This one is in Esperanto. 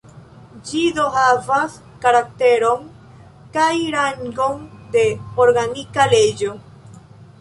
Ĝi do havas karakteron kaj rangon de "organika leĝo".